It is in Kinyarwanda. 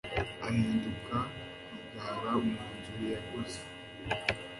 ahinduka rugara mu nzu yaguze